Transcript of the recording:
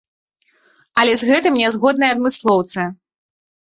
Але з гэтым не згодныя адмыслоўцы.